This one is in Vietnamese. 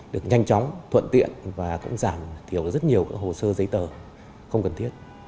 được nhanh chóng thuận tiện và cũng giảm thiểu rất nhiều hồ sơ giấy tờ không cần thiết